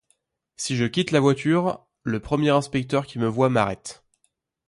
Si je quitte la voiture, le premier inspecteur qui me voit m’arrête.